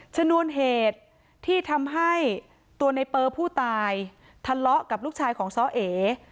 ชนวนเหตุที่ทำให้ตัวในเปอร์ผู้ตายทะเลาะกับลูกชายของซ้อเอ